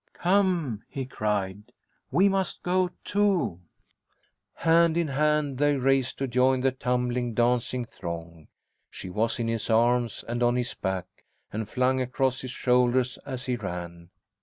"Come!" he cried. "We must go too." Hand in hand they raced to join the tumbling, dancing throng. She was in his arms and on his back and flung across his shoulders, as he ran.